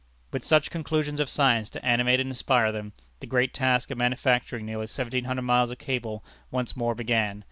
With such conclusions of science to animate and inspire them, the great task of manufacturing nearly seventeen hundred miles of cable once more began.